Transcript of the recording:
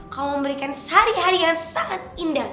kau memberikan sehari hari yang sangat indah